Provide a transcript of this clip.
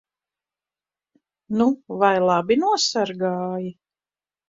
Nu vai labi nosargāji?